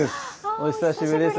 お久しぶりです。